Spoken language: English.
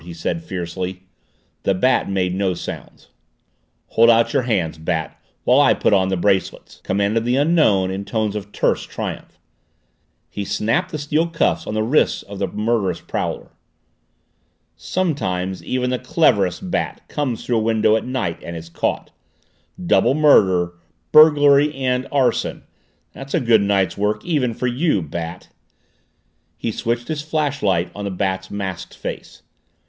he said fiercely. The Bat made no sound. "Hold out your hands, Bat, while I put on the bracelets," commanded the Unknown in tones of terse triumph. He snapped the steel cuffs on the wrists of the murderous prowler. "Sometimes even the cleverest Bat comes through a window at night and is caught. Double murder burglary and arson! That's a good night's work even for you, Bat!" He switched his flashlight on the Bat's masked face.